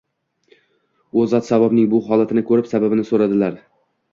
U zot Savbonning bu holatini ko‘rib, sababini so‘radilar